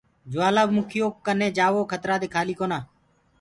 جوآلآ مُکيٚ يو ڪني جآوو کترآ دي کآلي ڪونآ۔